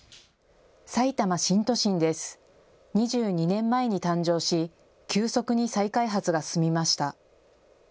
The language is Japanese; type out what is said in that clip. ２２年前に誕生し、急速に再開発が進みました。